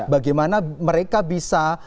bagaimana mereka bisa